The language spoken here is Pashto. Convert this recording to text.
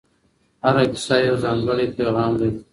هره کیسه یو ځانګړی پیغام لري.